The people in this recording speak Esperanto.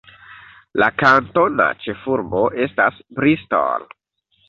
La kantona ĉefurbo estas Bristol.